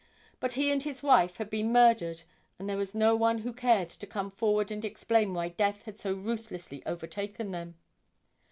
But he and his wife had been murdered and there was no one who cared to come forward and explain why death had so ruthlessly overtaken them.